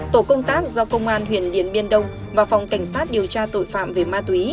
tổ công tác do công an huyện điện biên đông và phòng cảnh sát điều tra tội phạm về ma túy